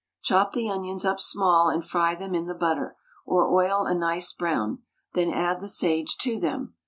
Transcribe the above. Chop the onions up small and fry them in the butter, or oil a nice brown, then add the sage to them.